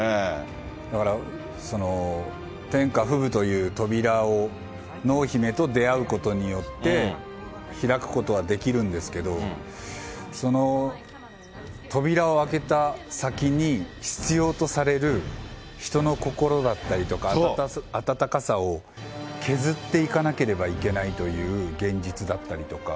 だから、天下ふぶという扉を、濃姫と出会うことによって開くことはできるんですけど、その扉を開けた先に、必要とされる人の心だったりとか、温かさを削っていかなければいけないという現実だったりとか。